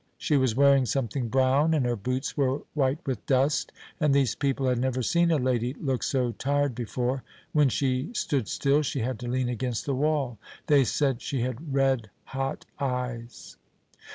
She was wearing something brown, and her boots were white with dust, and these people had never seen a lady look so tired before; when she stood still she had to lean against the wall. They said she had red hot eyes.